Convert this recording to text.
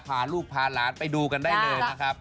พาลูกพาหลานไปดูกันได้เลยนะครับ